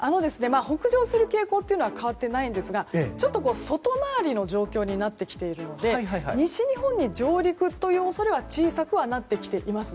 北上する傾向は変わっていないんですがちょっと外回りの状況になってきているので西日本に上陸という恐れは小さくはなってきています。